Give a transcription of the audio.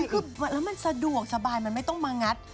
คือแล้วมันสะดวกสบายมันไม่ต้องมางัด